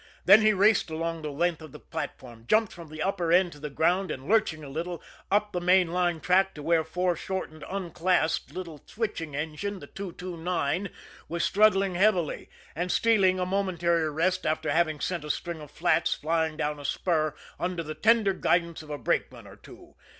Then he raced along the length of the platform, jumped from the upper end to the ground, and lurching a little, up the main line track to where fore shortened, unclassed little switching engine the 229 was grunting heavily, and stealing a momentary rest after having sent a string of flats flying down a spur under the tender guidance of a brakeman or two.